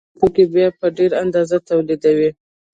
نو هماغه توکي بیا په ډېره اندازه تولیدوي